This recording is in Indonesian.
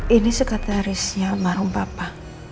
ini sekurterisnya rumah papa